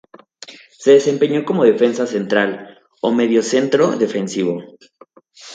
Se desempeña como defensa central o mediocentro defensivo.